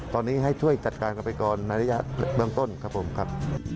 ตอนนี้ให้ช่วยจัดการกันไปก่อนในระยะเบื้องต้นครับผมครับ